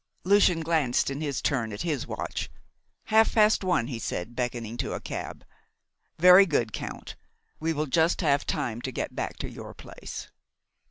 Lucian glanced in his turn at his watch. "Half past one," he said, beckoning to a cab. "Very good, Count, we will just have time to get back to your place."